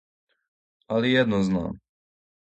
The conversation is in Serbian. Али једно знам.